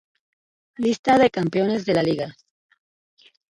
Lista de campeones de la liga.